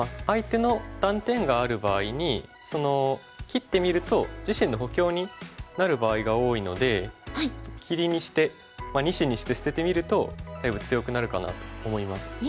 相手の断点がある場合に切ってみると自身の補強になる場合が多いので切りにして２子にして捨ててみるとだいぶ強くなるかなと思います。